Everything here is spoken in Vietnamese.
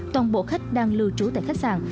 toàn bộ khách đang lưu trú tại khách sạn